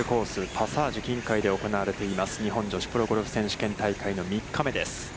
パサージュ琴海で行われています、日本女子プロゴルフ選手権大会の、３日目です。